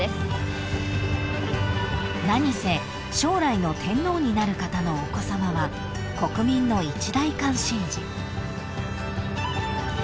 ［何せ将来の天皇になる方のお子さまは国民の一大関心事］